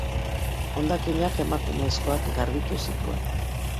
Hondakinak emakumezkoak garbitu zituen.